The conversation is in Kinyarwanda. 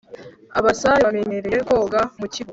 abasare bamenyereye koga mukivu